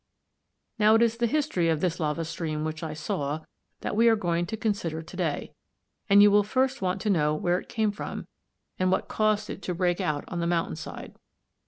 ] Now it is the history of this lava stream which I saw, that we are going to consider to day, and you will first want to know where it came from, and what caused it to break out on the mountain side.